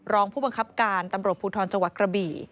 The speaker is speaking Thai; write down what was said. รองผู้บังคับการตำรวจภูทรจังหวัดกระบี่